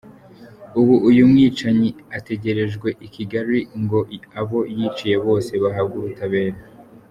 Ubu uyu mwicanyi ategerejwe i Kigali ngo abo yiciye bose bahabwe ubutabera